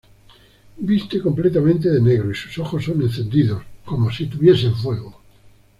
Viste completamente de negro, y sus ojos son encendidos como si tuviesen fuego.